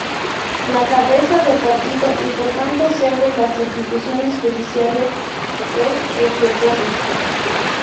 La cabeza de partido y por tanto sede de las instituciones judiciales es Estepona.